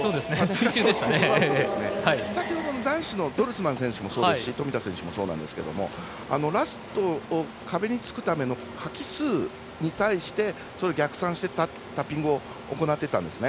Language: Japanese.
先ほどの男子のドルスマン選手も富田選手もそうですがラスト、壁につくためのかき数に対してそれを逆算してタッピングを行ってたんですね。